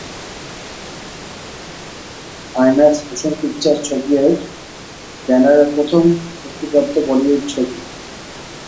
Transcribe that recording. IMAX motion picture ছবির এর ব্যানারে প্রথম মুক্তিপ্রাপ্ত বলিউড ছবি।